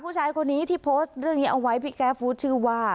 ผู้ชายคนนี้ที่โพสต์เรื่องนี้เอาไว้พี่แก๊ฟฟู้ดชื่อว่า